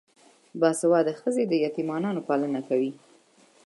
باسواده ښځې د یتیمانو پالنه کوي.